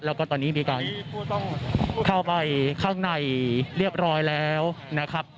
แล้วก็ตอนนี้มีการเข้าไปข้างในเรียบร้อยแล้วนะครับ